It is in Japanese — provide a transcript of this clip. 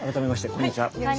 こんにちは。